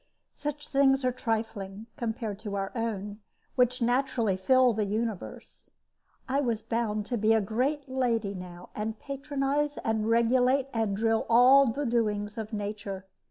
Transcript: Such things are trifling, compared to our own, which naturally fill the universe. I was bound to be a great lady now, and patronize and regulate and drill all the doings of nature.